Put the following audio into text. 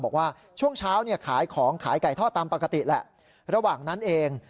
บอกว่าช่วงเช้าเนี่ยขายของขายไก่ทอดตามปกติแหละระหว่างนั้นเอง